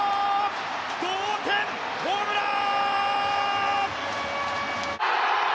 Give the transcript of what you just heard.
同点ホームラン！